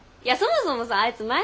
いやそもそもさアイツ